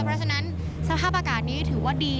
เพราะฉะนั้นสภาพอากาศนี้ถือว่าดี